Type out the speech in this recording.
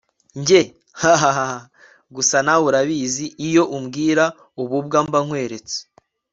njye hahahaha! gusa nawe urabizi iyo umbwira ububwa mba nkweretse